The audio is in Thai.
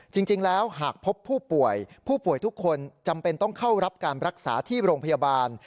จริงแล้วหากพบผู้ป่วยผู้ป่วยทุกคนจำเป็นต้องเข้ารับการรักษาที่โรงพยาบาล